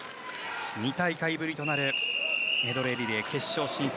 ２大会ぶりとなるメドレーリレー決勝進出